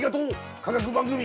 科学番組。